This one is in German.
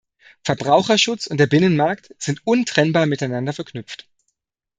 Verbraucherschutz und der Binnenmarkt sind untrennbar miteinander verknüpft.